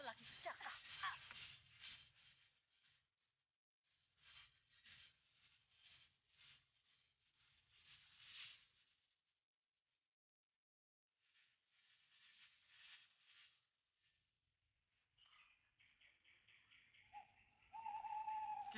aku bukan hati